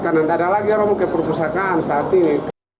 karena tidak ada lagi orang yang keperpustakaan saat ini